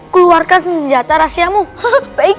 keluarkan senjata rahasiamu baik